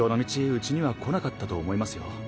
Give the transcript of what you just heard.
ウチには来なかったと思いますよ。